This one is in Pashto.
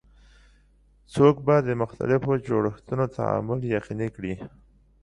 څوک به د مختلفو جوړښتونو تعامل یقیني کړي؟